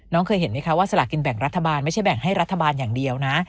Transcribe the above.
เคยเห็นไหมคะว่าสลากินแบ่งรัฐบาลไม่ใช่แบ่งให้รัฐบาลอย่างเดียวนะ